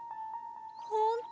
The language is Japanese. ほんと？